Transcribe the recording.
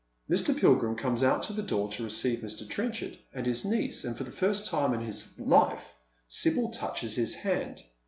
Mr. Pilgrim comes out to the door to receive Mr. Trenchard and his niece, and for the first time in her life Sibyl touches his hand.